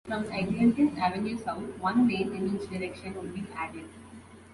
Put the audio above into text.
From Eglinton Avenue south, one lane in each direction would be added.